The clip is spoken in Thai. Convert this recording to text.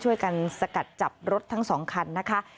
ช่วยกันสกัดจับรถทั้ง๒คันนะคะ